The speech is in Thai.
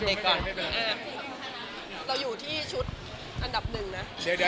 เราอยู่ที่ชุดอันดับหนึ่งนะ